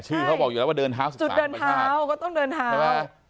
เขาบอกอยู่แล้วว่าเดินเท้าสุดเดินเท้าก็ต้องเดินเท้าใช่ไหม